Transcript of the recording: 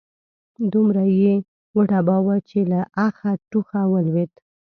دومره يې وډباوه چې له اخه، ټوخه ولوېد